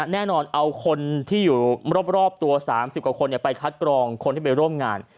แน่นอนเอาคนที่อยู่รอบตัว๓๐กว่าคนไปคัดกรองคนที่ไปร่วมงาน